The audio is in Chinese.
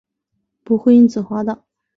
不会因此滑倒